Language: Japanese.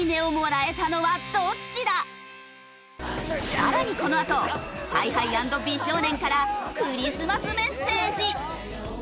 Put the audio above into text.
さらにこのあとＨｉＨｉアンド美少年からクリスマスメッセージ！